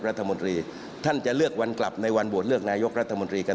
รัฐมนตรีท่านจะเลือกวันกลับในวันโหวตเลือกนายกรัฐมนตรีกัน